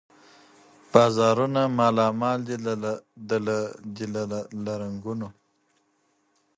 بازارونه مالامال دي له رنګونو